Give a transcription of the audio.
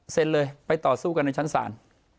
เลยไปต่อสู้กันในชั้นศาล